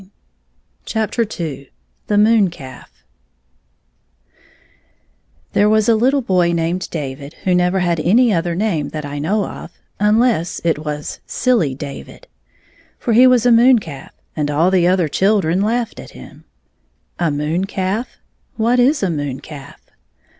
8 Mm^^^m^^B II The Moon Calf THERE was a little boy named David who never had any other name that I know of, unless it was " Silly " David. For he was a moon calf, and all the other children laughed at him A moon calf? What is a moon calf?